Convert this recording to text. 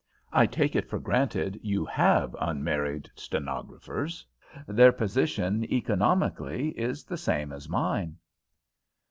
I take it for granted you have unmarried stenographers. Their position, economically, is the same as mine."